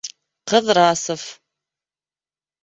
Ҡыҙрасов.